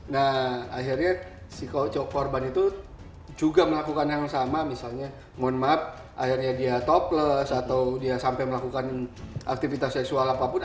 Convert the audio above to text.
nah akhirnya si kocok korban itu juga melakukan yang sama misalnya mohon maaf akhirnya dia toples atau dia sampai melakukan aktivitas seksual apapun